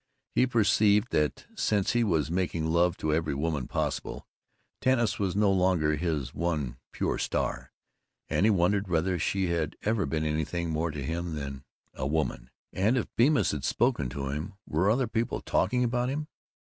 He perceived that, since he was making love to every woman possible, Tanis was no longer his one pure star, and he wondered whether she had ever been anything more to him than A Woman. And if Bemis had spoken to him, were other people talking about him?